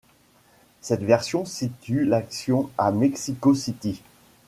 Cette version situe l'action à Mexico City.